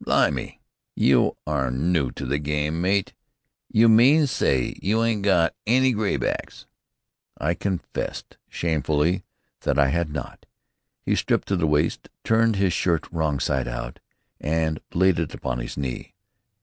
"Blimy! You are new to this game, mate! You mean to s'y you ain't got any graybacks!" I confessed shamefacedly that I had not. He stripped to the waist, turned his shirt wrong side out, and laid it upon his knee.